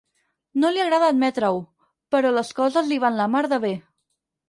No li agrada admetre-ho, però les coses li van la mar de bé.